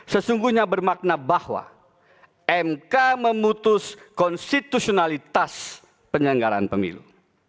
sesungguhnya bermakna bahwa mk memutus konstitusionalitas penyelenggaraan pemilu